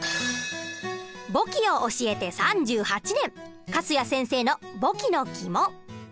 簿記を教えて３８年粕谷先生の簿記のキモ。